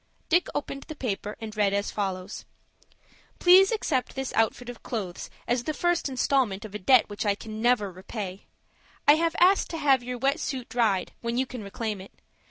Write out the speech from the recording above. Dick opened the paper, and read as follows,— "Please accept this outfit of clothes as the first instalment of a debt which I can never repay. I have asked to have your wet suit dried, when you can reclaim it.